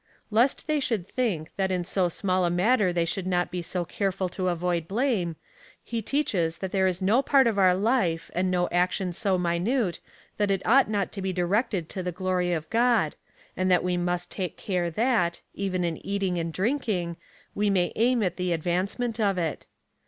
Lest they should think, that in so small a matter they should not be so care ful to avoid blame, he teaches tliat there is no part of our life, and no action so minute,^ that it ought not to be directed to the glory of God, and that we must take care that, even in eating and drinking, we may aim at the advancement of it.